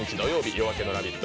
「夜明けのラヴィット！」